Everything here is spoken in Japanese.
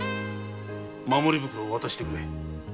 守り袋を渡してくれ。